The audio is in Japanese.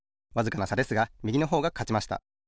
わずかなさですがみぎのほうがかちました。